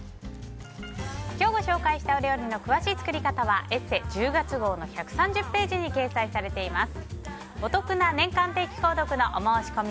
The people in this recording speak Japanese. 今日ご紹介したお料理の詳しい作り方は「ＥＳＳＥ」１０月号の１３０ページに掲載しています。